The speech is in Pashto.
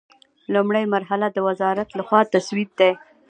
لومړۍ مرحله د وزارت له خوا تسوید دی.